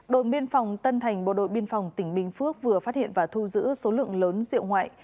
đội biên phòng tân thành bộ đội biên phòng tỉnh bình phước vừa phát hiện và thu giữ số lượng lớn rượu ngoại